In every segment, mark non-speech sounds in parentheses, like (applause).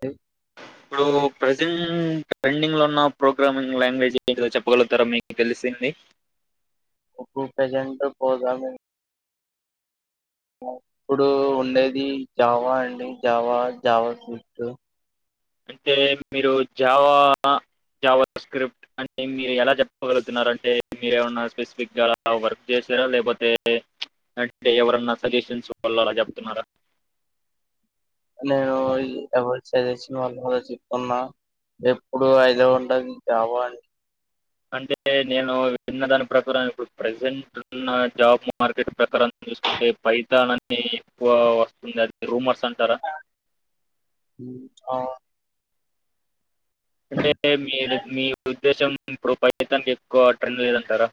దేవ్. ఇప్పుడు present trending లో ఉన్న ప్రోగ్రామింగ్ లాంగ్వేజ్ ఏంటిదో చెప్పగలుగుతారా మీకు తెలిస్. సిన్ని. భూపజెంట్ ప్రోగ్రామింగ్. ఇప్పుడు ఉండేది Java and Java Java Swift. అంటే మీరు జావా. జావ స్క్రిప్ట్ అంటె మీరు ఎలా చెప్పగలుగుతున్నారు అంటే మీరేమన్నా స్పెసిఫిక్గా అ వర్క్ చే. సరే లేకపోతే ప్చ్ అంటే ఎవరన్నా సజెషన్స్ వాళ్ళు అలా చెప్తున్నారా. నేను ఎవరి సజెషన్ వళ్ళనో చెప్పున్నా. ఎప్పుడు అయిదే ఉంటది జావ అని. అంటే నేను విన్న దాని ప్రకారం ఇప్పుడు ప్రజెంట్ ఉన్న జాబ్ మార్కెట్ ప్రకారం. చూసుకుంటే పైతాన్ అని. ఎక్కువ వస్తుంది అది రూమర్స్ అంటరా. ఆ, అంటే మీరు మీ ఉద్దేశం. ఇప్పుడు పైతాన్ కి ఎక్కువ ట్రెండ్ లేదంటారా.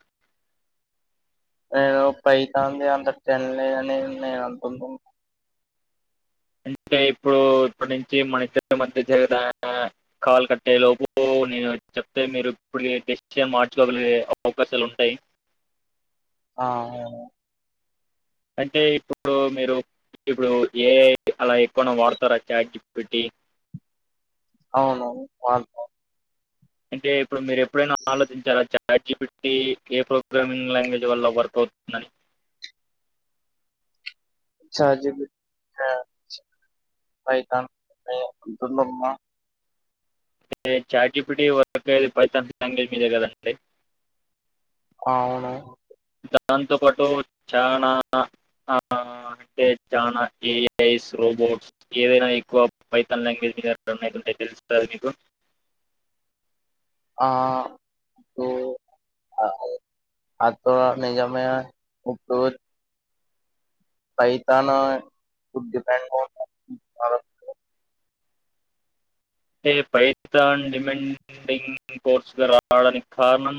ఆహ్ పైతానుది అంత ట్రెండ్ లేదని నేను అనుకుంటున్నా. అంటే ఇప్పుడు ఇప్పటి నుంచి మన ఇద్దరి మధ్య జరుగద కాలు కట్టయే లోపు. నేను చెప్తే మీరు ఇప్పుడు డిసిషన్ మార్చుకోగలిగే అవకాశాలు ఉంటయ్. ఆవును. అంటే ఇప్పుడు మీరు. ఇప్పుడు ఏఐ అలా ఎక్కువనే వాడుతారా చాట్జీపిటి. అవును వాడుతాం. అంటే ఇప్పుడు మీరు ఎప్పుడైనా ఆలోచించారా చట్జీపిటీ ఏ ప్రోగ్రామింగ్ లాంగ్వేజ్ వల్ల వర్క్. అవుతుందని. చాట్జీపీటా. పైతాన్ యే అబ్దుల్లమ్మ. చాట్జిపిటి వర్క్ అయ్యేది పైతాన్ లాంగ్వేజ్ మీదే కదండి. అవును. దాంతో పాటు చానా ణా. అంటే చానా ఏఐస్ రోబోట్స్ ఏదైనా ఎక్కువ పైతాన్ లాంగ్వేజ్ మీదే రన్ అయితుంటాయి. తెలుస్తాది నీకు. ఆహ్ బ్రో ఆహ్. హతోర్ నిజమే (unintelligible) పైతానా డిమాండ్ బాగా. అంటే పైతాన్ డిమాండింగ్ కోర్సుగా రావడానికి కారణం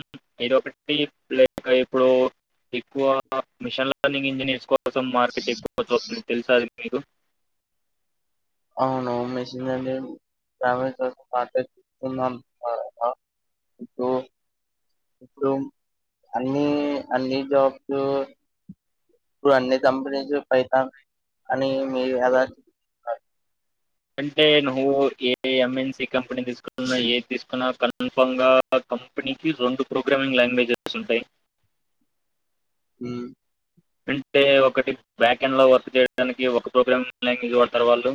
ఏదో ఒకటి. పై ఇప్పుడు ఎక్కువ మిషన్ లర్నింగ్ తీసుకో కోసం మార్కెట్ ఎక్కువ వచ్చ వస్తుంది తెలుస అది మీకు అవును మెషన్ (unintelligible) అవి తో (unintelligible) అన్ని అన్ని జాబ్స్. ఇప్పుడు అన్ని కంపనీస్ పైథాన్ అని మీదనే అలా. అంటే నువ్వు ఏ ఎమ్ ఎన్ సీ కంపెనీ తీసుకున్నా ఏది తీసుకున్నా కన్ఫామ్ గా. కంపెనీకి రెండు ప్రోగ్రామింగ్ లాంగ్వేజెస్ ఉంటాయి. ఉమ్ అంటే ఒకటి బ్యాకెండ్లో వర్క్ చేయడానికి ఒక ప్రోగ్రామింగ్ లాంగ్వేజ్ వాడతారు వాళ్ళు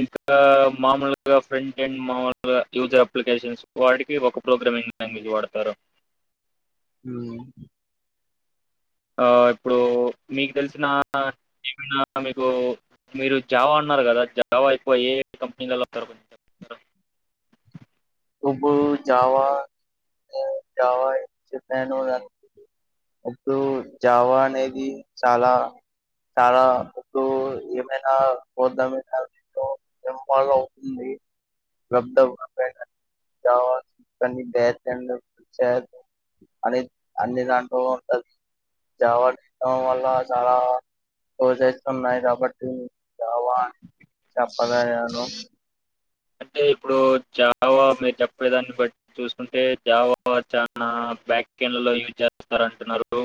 ఇంకా మామూలుగా ఫ్రంటెండ్ మాములుగా యూజర్ అప్లికేషన్స్ వాటికి ఒక ప్రోగ్రా మింగ్ లాంగ్వేజ్ వాడతారు ఉమ్ ఆ ఇప్పుడు మీకు తెలిసిన ఏమైనా మీకు మీరు జావా అన్నారు కదా జావా అయిపోయి ఏ కంపెనీలలో చెప్తారా? ఇప్పుడు జావా జావా ఎంచితను ఇప్పుడు జావా అనేది చాలా చాలా ఇప్పుడు ఏమైనా ప్రోగ్రాం లూ ఎం బాలో అవుతుంది రాటన్ జావా అండ్ డేటా చెన్ అన్ని దాన్నిటిలో ఉంటది జావా తెలిస్ వాళ్ళ చాలా కోర్సెస్ ఉన్నాయి కాబట్టి జావా ఆన్ చెప్పలేను అంటే ఇప్పుడు జావా మీరు చెప్పేదాన్ని బట్టి చూసుకుంటే జావా చానా బాక్యర్డ్ లో యూజ్ చేస్తారంటున్నారు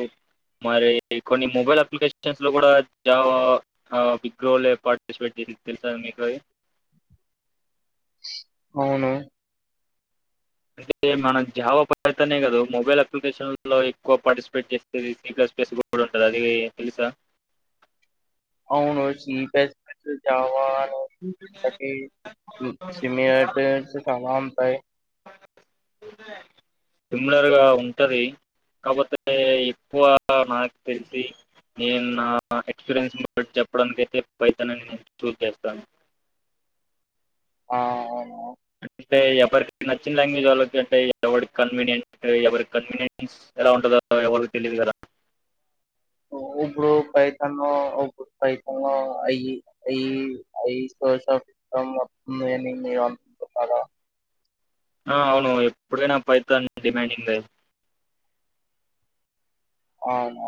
మరి కొన్ని మొబైల్ అప్లికేషన్స్ లో కూడా జావా బిజీరోలే పార్టిసిపేట్ చే సింది తెలుసా మీకు అది అవును అంటే మనం జావా పైథానే కదా మొబైల్ అప్లికేషన్ లో ఎక్కువ పార్టిసిపేట్ చేసేది స్పేస్ కూడా ఉంటది అది తెలుసా అవును సిప్లస్ ప్లస్ జావా తాకి సిమిలరిటీస్ చాలా ఉంటాయి సిమ్లర్ గా ఉంటది కాకపోతే ఎక్కువ నాక్ తెలిసి నేను నా ఎక్స్పీరియన్స్ చెప్పడానికైతే పైథోన్ చూస్ చేస్తాను ఆ అవున్ అంటే ఎవరికి నచ్చిన లాంగ్వేజ్ వాళ్ళకంటే ఎవరి కన్వీనియంట్ ఎవరి కన్వీనియన్స్ ఎలా ఉంటదో ఎవరికి తెలీదు కదా అవును బ్రో పైథాను ఇప్పుడు పైథోన్ అయి అయ్ అయి (unintelligible) ఆ అవును ఎప్పుడైనా పైథాన్ డిమాండింగ్ అవును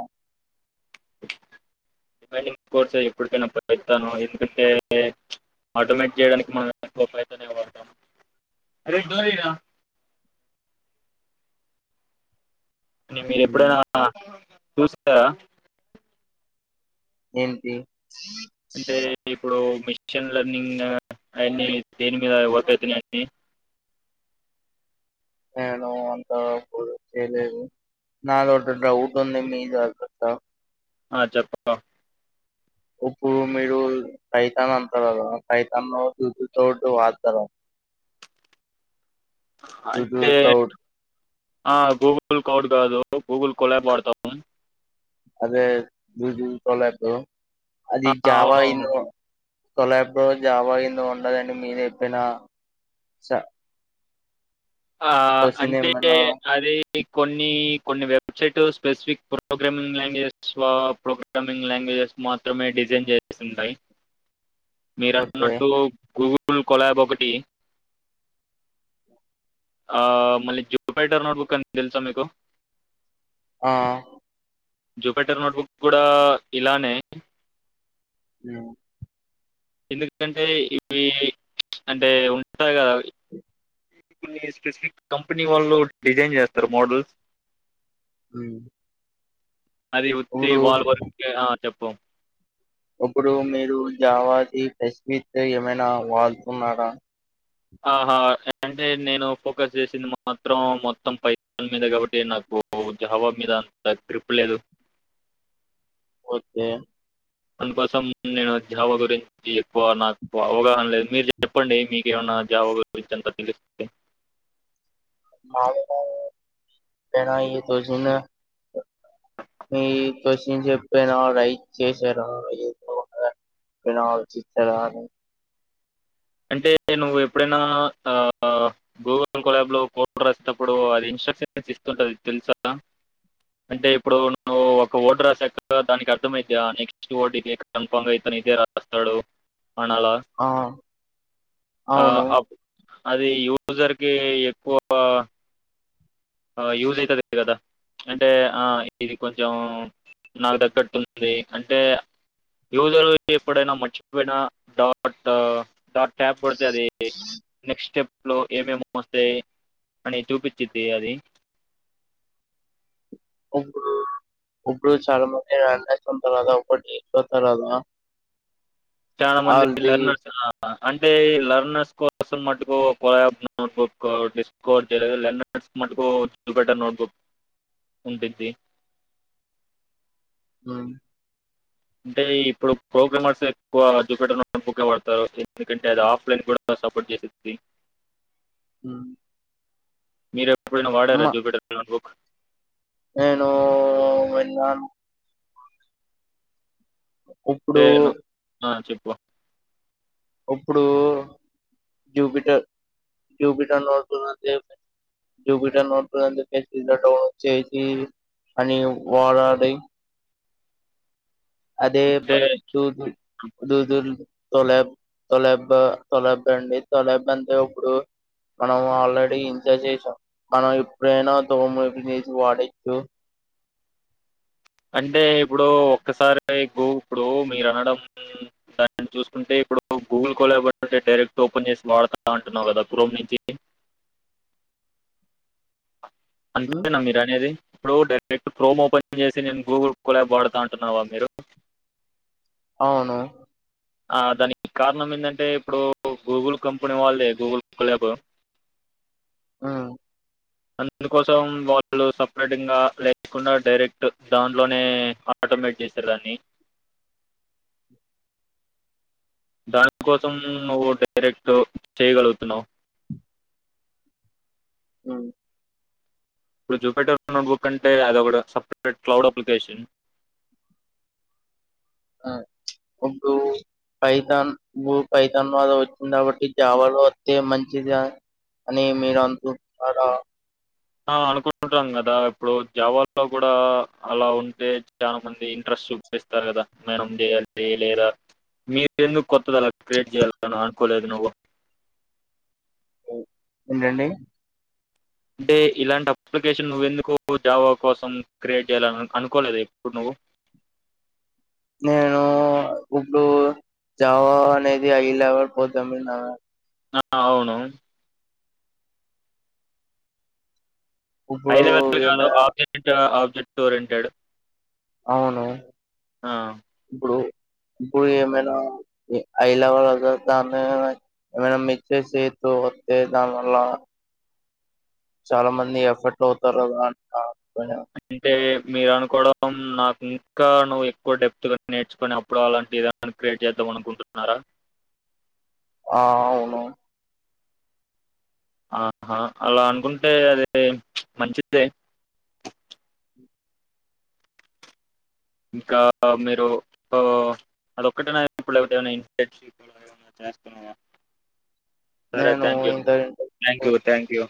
రమైనింగ్ కోర్స్ ఎప్పుటికైనా పైథోన్ ఎందుకంటే ఆటోమేటిక్ చేయడానికి మనం ఎక్కువ పైథోన్ నే వాడతాము అ ఉమ్. మీరెప్పుడైనా చూసారా ఏంటి అంటే ఇప్పుడు మిషిన్ లర్నింగ్ అయన్ని దేని మీద వర్క్ అయితున్నాయండి. నేను అంత అప్పుడు చేయలేదు నాదోటు డౌట్ ఉంది మీద అడగొచ్చా ఆ చెప్ప బ్రో ఉప్పు మీరు పైథోన్ అంటారు గదా పైథోన్ లో చూతో వాడ్తరా అంటే జూజుతో ఆ గూగుల్ కౌట్ కాదు గూగుల్ కోల్యాబ్ వాడ్తాం అదే గూగుల్ కొలాపు అది ఆ, జావా అవును ఇనొ కొలబ్రో జావాగిందా ఉండదండి మీర్ జెప్పిన సా ఆ అంటే ఏమైనా అది కొన్ని కొన్ని website specific programming languages programming language మాత్రమే డిజైన్ జేసుంటాయి ఓకే మీరన్నట్టు గూగుల్ ఉల్ కొలాబ్ ఒకటి ఆ మళ్ళీ జిప్ పైటర్ నోట్బుక్ అన్ తెల్సా మీకు ఆ జూపేటర్ నోట్బుక్ గూడా ఇలానే ఆ ఎందుకంటే ఇవి అంటే ఉంటాయి కదా కొన్ని స్పెసిఫిక్ కంపెనీ వాళ్ళు డిజైన్ జేస్తారు మోడల్స్ ఉమ్ అది ఉత్తి ఇప్పుడు వాల్వర్కే ఆ చెప్పం ఇప్పుడు మీరు జావాతి ప్రెస్స్మిత్ ఏమైనా వాల్ ఉన్నారా ఆహా అంటే నేను ఫోకస్ జేశింది మాత్రం మొత్తం పైసల మీదే కాబట్టి నాకు ఓ జావా మీద అంత గ్రిప్ లేదు పోతే అందుకోసం నేను జావ గురించి ఎక్కువ నాకు అవగాహన లేదు. మీర్ జెప్పండి మీకేమన్నా ఆ జావా గురించి అంతా (unintelligible) కాగినై పిన్నాయి దోసెనా మీ కోషన్ జెప్పాను ఆ రైట్ చేశారు (unintelligible) అంటే నువ్వు ఎప్పుడైనా ఆ గూగుల్ కోలాబ్ లో కోటర్ వచ్చేటప్పుడు అది ఇన్స్ట్రక్షన్ ఇస్తుంటది తెల్సా అంటే ఇప్పుడు నువు ఒక ఓటు రాసాక దానికి అర్థమైతే ఆ నెక్స్ట్ ఓటీపీ కన్ఫామ్ చేస్త్ నిదే రాస్తడు అనాల ఆ, ఆ అవును అప్ అది యూజర్ కి ఎక్కువ ఆ యూజైతది గదా అంటే ఆ ఇది కొంచెం నాక్ దగ్గట్టుంది అంటే యూజరు ఎప్పుడైనా మచ్చిపోయిన డాట్ ట్ స్టాప్ పడతఅది నెక్స్టెప్ ట్లో ఏమేం వొస్తయి అని చూపిచ్చింది అది (inaudible) (unintelligible) చాలా మంది (unintelligible) ఒకటి తీసుకొస్తరదా చానా మంది పిలర్ (unintelligible) స్రా అంటే ఈ లెర్నర్స్ కోసం మట్కు ఒక నోట్బుక్ డిస్కర్ చేయలేదు లెర్నర్ మట్కు చ బట నోడ్బ ఉండ్డిద్ది ఉమ్ అంటే ఇప్పుడు ప్రోగ్రామర్స్ ఎక్కువ జూపిటర్ నోట్బుక్కేవడ్తతారు ఎందుకంటే అది ఆఫ్లైన్ కూడా సపోర్ట్ జేఫిఫ్టీ అ మీరు ఎప్పుడైనా వాడారా జుపిటర్ నోట్ బుక్ నేను వన్ ఇప్పుడు తేను ఆ చెప్ప ఉప్పుడు Jupyter Jupiter (unintelligible) Jupiter note book (unintelligible) develop చేసి అని వారడీ అదే అంటే ప దూదు దూదుర్ తొలబ్ తొలబా తొలబా అండి తొలబ అంటే ఇప్పుడు మనం ఆల్రెడీ ఎంజాయ్ చేయసాం మనం ఎప్పుడేనా తోమి తీసి వాడచ్చు అంటే ఇప్పుడు ఒక్కసారి ఇప్పుడు మీరు అనడం దాన్ని చూసుకుంటే ఇప్పుడు గూగుల్ (unintelligible) డైరెక్ట్ ఓపెన్ చేసి వాడతా అంటున్నావు కదా క్రోమ్ నుంచి అంతేనా మీర్ అనేది ఇప్పుడు డైరెక్ట్ క్రోమ్ ఓపెన్ చేసి నేను గూగుల్ కోల్ యాప్ వాడుతా అంటున్నావా మీరు అవును ఆ దానికి కారణం ఏందంటే ఇప్పుడు గూగుల్ కంపెనీ వాళ్ళే గూగుల్ కోల్బ్ ఉ అందుకోసం వాళ్ళు సెపరేటింగ లేకుండా డైరెక్ట్ దాంట్లోనే ఆటోమేటిక్ చేసారు దాన్ని దానికోసం నువ్వు డైరెక్ట్ చేయగలుగుతున్నావ్ ఉం ఇప్పుడు జూపీటర్ నోట్బుక్ అంటే అది కూడా సపరేట్ క్లౌడ్ అప్లికేషన్ ఆ ఒక్కో పైతాన్ ఉ పైతాన్ వాద వచ్చింది కాబట్టి జావాలో వత్తే మంచిద అని మీరనుకుంటున్నారా ఆ అనుకుంటుంటాం కదా ఇప్పుడు జావాలో కూడా అలా ఉంటే చాలా మంది ఇంట్రెస్ట్ చూపిస్తారు కదా మేనం చేయాలి లేరా మీరెందుకు కొత్త దలా క్రియేట్ చేయాలని అనుకోలేదు నువ్వు ఏంటండి అంటే ఇలాంటి అప్లికేషన్ నువ్వెందుకో జావా కోసం క్రియేట్ చేయాల అనుకోలేదు ఇప్పుడు నువ్వు నేను ఇప్పుడు జావా అనేది హైలెవల్ పోతామేనా ఆ అవును హై ఇప్పుడు లెవెల్ కాదు ఏమైనా ఆబ్జెక్ట్ ఆబ్జెక్ట్ ఓరియెంటెడ్ అవును ఆ! ఇప్పుడు ఇప్పుడు ఏమైనా ఐలెవల్ దాన్నే ఏమైనా మిత్తేసేతు వత్తే దన్వల్ల చాలా మంది ఎఫర్ట్ అవుతారుదాంట అంటే మీరు అనుకోవడం నాకు ఇంకా నువ్వు ఎక్కువ డెప్త్గా నేర్చుకుని అప్పుడు అలాంటి క్రియేట్ చేద్దా మనకుంటున్నారా ఆ అవును ఆ హా అలా అనుకుంటే అది మంచిదే ఇంకా మీరు అదొక్కటే ఇప్పుడు (unintelligible) రాస్తున్నావా సరే నేను థ్యాంక్ యూ ఇంత థ్యాంక్ యూ థ్యాంక్ యూ